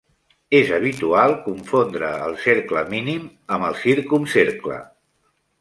És habitual confondre el cercle mínim amb el circumcercle.